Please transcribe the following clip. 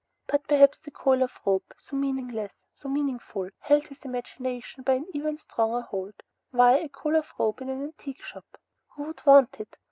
But perhaps the coil of rope, so meaningless, so meaningful, held his imagination by an even stronger hold. Why a coil of rope in an antique shop? Who would want it?